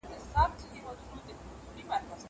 خپلې جملې ولولئ.